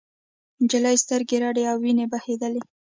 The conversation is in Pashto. نجلۍ سترګې رډې او وینې بهېدلې.